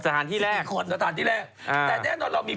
ปลาหมึกแท้เต่าทองอร่อยทั้งชนิดเส้นบดเต็มตัว